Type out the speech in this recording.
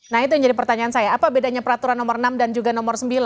nah itu yang jadi pertanyaan saya apa bedanya peraturan nomor enam dan juga nomor sembilan